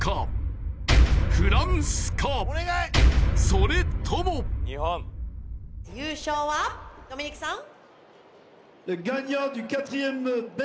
それとも優勝はドミニクさん